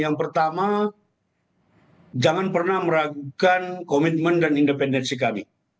yang pertama jangan pernah meragukan komitmen dan independensi kami